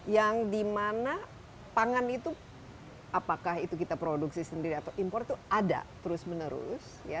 yang dimana pangan itu apakah itu kita produksi sendiri atau impor itu ada terus menerus